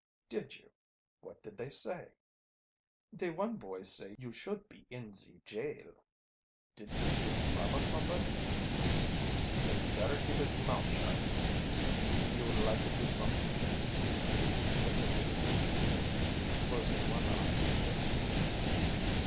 "Did you? What did they say?" "De one boy say you should be in ze jail; didn't you robba somebody." "He had better keep his mouth shut." "You lika do somet'ing wid me?" continued the French native, closing one eye suggestively.